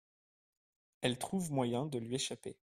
Elle trouve moyen de lui échapper.